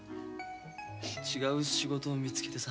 違う仕事を見つけてさ。